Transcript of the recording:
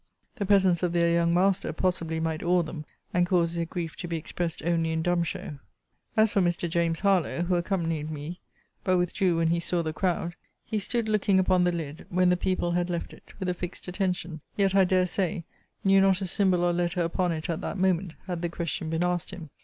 The presence of their young master possibly might awe them, and cause their grief to be expressed only in dumb show. As for Mr. James Harlowe, (who accompanied me, but withdrew when he saw the crowd,) he stood looking upon the lid, when the people had left it, with a fixed attention: yet, I dare say, knew not a symbol or letter upon it at that moment, had the question been asked him.